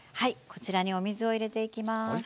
こちらに水を入れていきます。